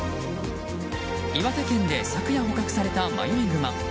岩手県で昨夜、捕獲された迷いグマ。